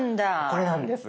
これなんです。